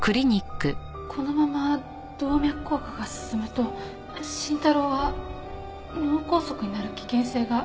このまま動脈硬化が進むと伸太郎は脳梗塞になる危険性が？